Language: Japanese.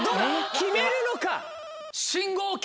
決めるのか？